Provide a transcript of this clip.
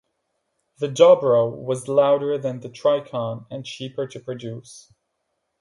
The Dobro was louder than the tricone and cheaper to produce.